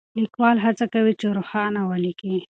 ليکوال هڅه کوي چې روښانه وليکي.